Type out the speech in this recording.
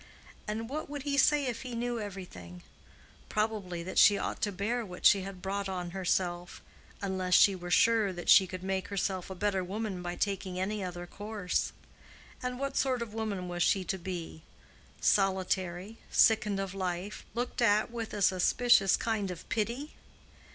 And what would he say if he knew everything? Probably that she ought to bear what she had brought on herself, unless she were sure that she could make herself a better woman by taking any other course. And what sort of woman was she to be—solitary, sickened of life, looked at with a suspicious kind of pity?